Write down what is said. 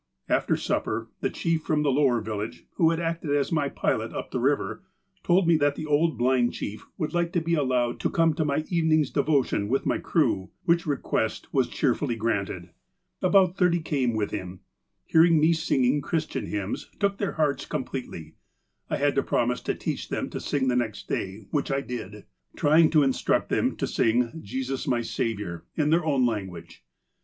"After supper, the chief from the lower village, who had acted as my pilot up the river, told me that the old, blind chief would like to be allowed to come to my even ing's devotion with my crew, which request was cheer fully granted. About thirty came with him. Hearing me singing Christian hymns took their hearts com pletely. I had to promise to teach them to sing the next day, which I did, trying to instruct them to sing ' Jesus my Saviour,' in their own language.